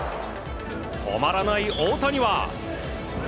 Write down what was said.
止まらない大谷は。